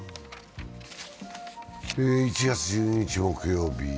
１月１２日木曜日。